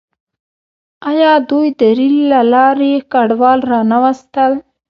آیا دوی د ریل له لارې کډوال را نه وستل؟